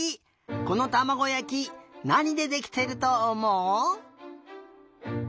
このたまごやきなにでできてるとおもう？